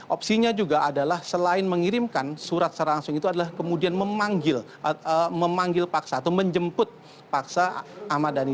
opsinya juga adalah selain mengirimkan surat secara langsung itu adalah kemudian memanggil paksa atau menjemput paksa ahmad dhani